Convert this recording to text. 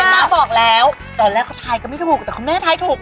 เห็นป๊าบอกแล้วตอนแรกเค้าท้ายก็ไม่ถูกแต่เค้าแม่ท้ายถูกน่ะ